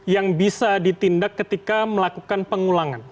yang bisa ditindak ketika melakukan pengulangan